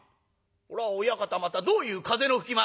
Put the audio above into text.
これは親方またどういう風の吹き回し？」。